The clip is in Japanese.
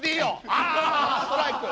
あストライク！